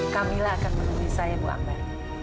kamila akan menemui saya bu ambar